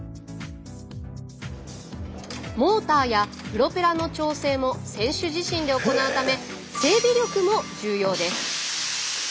モーターやプロペラの調整も選手自身で行うため整備力も重要です。